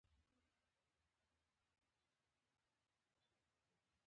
یو څو میرمنې به،